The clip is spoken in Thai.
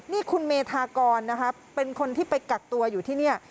นี่คุณเมธากรนะครับเป็นคนที่ไปกักตัวอยู่ที่นี่